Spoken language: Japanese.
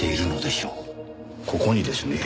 ここにですね